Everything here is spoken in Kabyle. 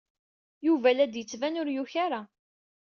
Yuba la d-yettban ur yuki ara.